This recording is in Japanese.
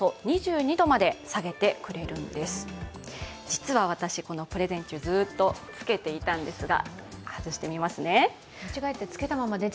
実はこのプレゼン中、ずっとつけていたんですが、外してみますね。